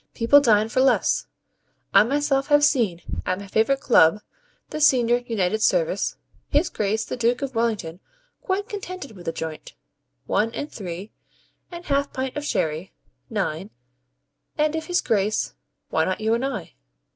People dine for less. I myself have seen, at my favourite Club (the Senior United Service), His Grace the Duke of Wellington quite contented with the joint, one and three, and half pint of sherry, nine; and if his Grace, why not you and I?